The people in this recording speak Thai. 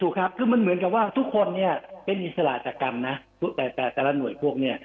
ถูกครับคือมันเหมือนกับว่าทุกคนเนี่ยเป็นอิสระจากกรรมนะแต่แต่ละหน่วยพวกเนี่ย